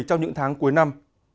trong những tháng cuối năm